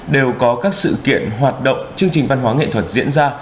đều có các sự kiện hoạt động chương trình văn hóa nghệ thuật diễn ra